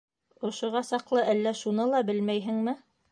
Ошоға саҡлы әллә шуны ла белмәйһеңме?